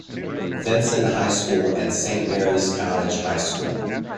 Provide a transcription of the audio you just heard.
Vincent high school and Saint Mary's College High School.